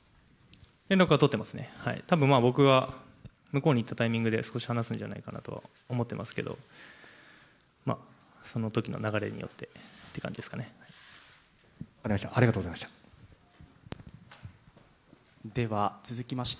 連絡は取ってますね、たぶん僕は向こうに行ったタイミングで少し話すんじゃないかなとは思っていますけれども、そのときの流れによってって感じですか分かりました。